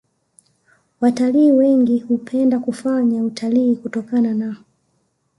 Watalii wengi hupenda kufanya utalii kutokana na